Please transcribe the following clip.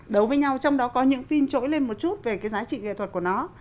đấu với nhau trong đó có những phim trỗi lên một chút về cái giá trị nghệ thuật của nó